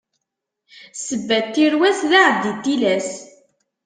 Ssebba n tirwas, d aɛaddi n tilas.